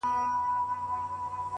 هر څه منم پر شخصيت باندي تېرى نه منم~